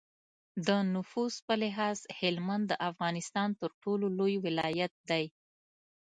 د نفوس په لحاظ هلمند د افغانستان تر ټولو لوی ولایت دی.